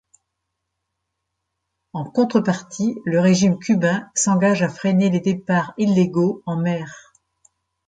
En contrepartie, le régime cubain s'engage à freiner les départs illégaux en mer.